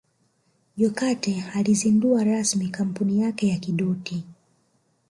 Jokate aizundua rasmi kampuni yake ya Kidoti